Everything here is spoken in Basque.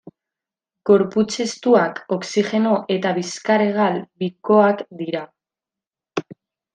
Gorputz-estuak oxigeno eta bizkar-hegal bikoak dira.